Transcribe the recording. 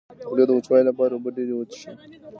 د خولې د وچوالي لپاره اوبه ډیرې وڅښئ